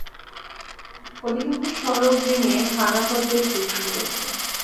অধিকাংশ সড়ক ভেঙে খানাখন্দের সৃষ্টি হয়েছে।